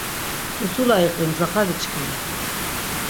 Usula iqvi mzaxaliçkimi.